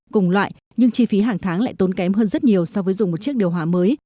cùng loại nhưng chi phí hàng tháng lại tốn kém hơn rất nhiều so với dùng một chiếc điều hòa mới